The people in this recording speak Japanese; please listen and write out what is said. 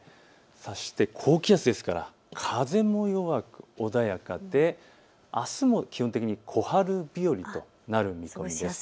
そして高気圧ですから風も弱く穏やかであすも気温的に小春日和となります。